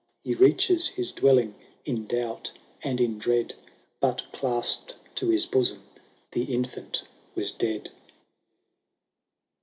He reaches his dwelling in doubt and in dread ; But, clasped to his bosom, the infant was dead